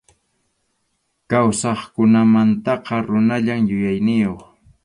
Kawsaqkunamantaqa runallam yuyayniyuq.